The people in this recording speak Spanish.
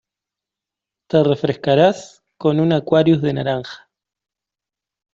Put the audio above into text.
Te refrescarás con un Aquarius de naranja.